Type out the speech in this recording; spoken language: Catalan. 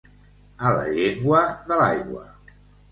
A la llengua de l'aigua.